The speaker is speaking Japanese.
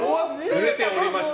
ぬれておりました。